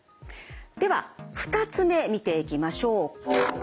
では２つ目見ていきましょう。